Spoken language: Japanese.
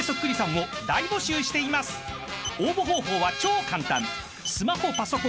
［応募方法は超簡単］